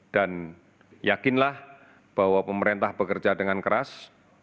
dan yakinlah bahwa pemerintah bekerja dengan keras